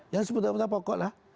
yang sebutan sebutan pokok lah